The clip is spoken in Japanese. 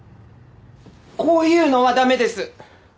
こういうのはだめです！